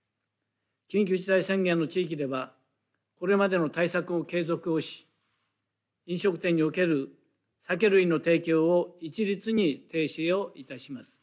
緊急事態宣言の地域ではこれまでの対策を継続をし飲食店における酒類の提供を一律に停止を致します。